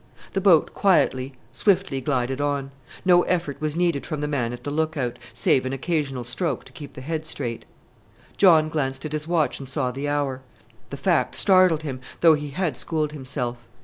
The boat quietly, swiftly glided on. No effort was needed from the man at the look out, save an occasional stroke to keep the head straight. John glanced at his watch and saw the hour. The fact startled him, though he had schooled himself.